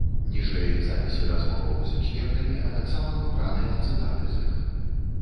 Ніжэй запісы размоваў з экспертамі, а таксама выбраныя цытаты з іх.